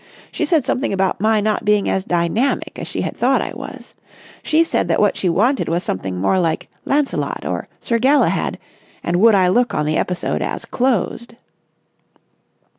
She said something about my not being as dynamic as she had thought I was. She said that what she wanted was something more like Lancelot or Sir Galahad, and would I look on the episode as closed."